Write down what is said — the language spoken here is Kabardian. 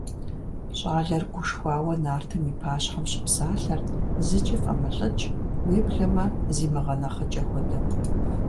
ЩӀалэр гушхуауэ нартым и пащхьэм щыпсалъэрт, зыкӀи фӀэмылӀыкӀ, уеблэмэ зимыгъэнэхъыкӀэ хуэдэу.